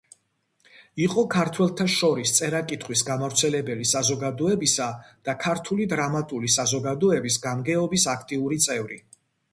იყო „ქართველთა შორის წერა-კითხვის გამავრცელებელი საზოგადოებისა“ და ქართული დრამატული საზოგადოების გამგეობის აქტიური წევრი.